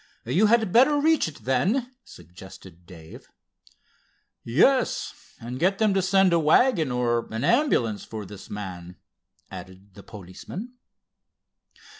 "You had better reach it, then," suggested Dave. "Yes, and get them to send a wagon, or an ambulance, for this man," added the policeman.